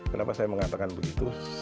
kenapa saya mengatakan begitu